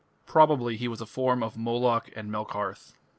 Probably he was a form of Moloch and Melkarth.